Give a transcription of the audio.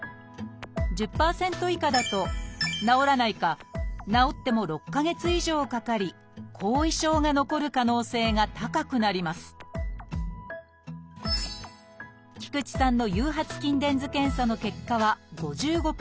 １０％以下だと治らないか治っても６か月以上かかり後遺症が残る可能性が高くなります菊地さんの誘発筋電図検査の結果は５５％。